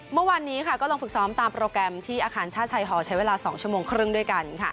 เมื่อวานนี้ก็ลงฝึกซ้อมตามโปรแกรมที่อาคารชาติชายฮอลใช้เวลา๒ชั่วโมงครึ่งด้วยกัน